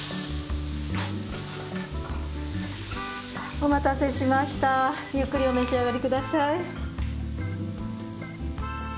お待たせしましたゆっくりお召し上がりください。